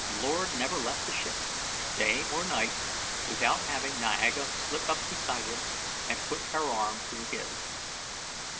Lord never left the ship, day or night, without having Niaga slip up beside him and put her arm through his.